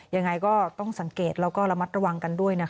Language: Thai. ยังไงก็ต้องสังเกตแล้วก็ระมัดระวังกันด้วยนะคะ